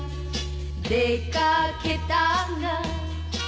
「出掛けたが」